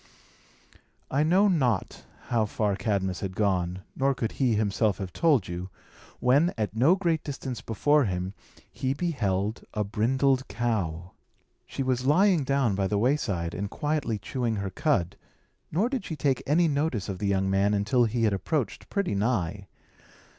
I know not how far Cadmus had gone, nor could he himself have told you, when, at no great distance before him, he beheld a brindled cow. She was lying down by the wayside, and quietly chewing her cud; nor did she take any notice of the young man until he had approached pretty nigh.